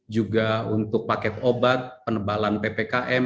juga untuk paket obat penebalan ppkm